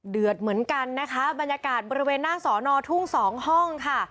เดือดเหมือนกันนะคะบรรยากาศบริเวณหน้าสอนอทุ่งสองห้องค่ะ